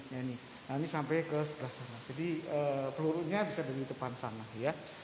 nah ini sampai ke sebelah sana jadi pelurunya bisa dari depan sana ya